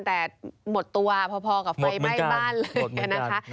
แต่หมดตัวพอกับไฟไหม้บ้านเลยนะคะ